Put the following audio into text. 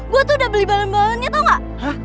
gue tuh udah beli balon balonnya tau gak